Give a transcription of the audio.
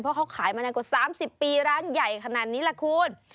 เพราะเขาขายมานานกว่า๓๐ปีร้านใหญ่ขนาดนี้ล่ะคุณ